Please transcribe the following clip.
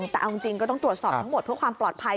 แต่เอาจริงก็ต้องตรวจสอบทั้งหมดเพื่อความปลอดภัย